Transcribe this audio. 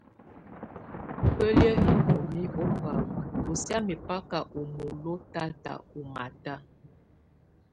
Belie Inomi ombanŋ ɔ sia mɛbaka ɔ mɔlɔ tata ɔ mata.